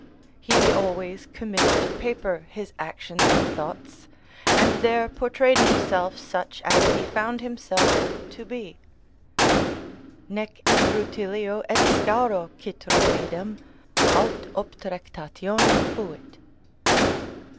] he always committed to paper his actions and thoughts, and there portrayed himself such as he found himself to be: "Nec id Rutilio et Scauro citra fidem; aut obtrectationi fuit."